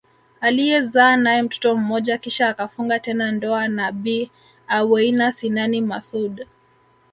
Aliyezaa nae mtoto mmoja kisha akafunga tena ndoa na Bi Aweina Sinani Masoud